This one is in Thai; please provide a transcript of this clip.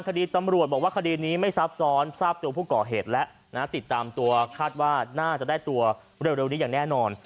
คาดว่าน่าจะได้ตัวเร็วนี้อย่างแน่นอน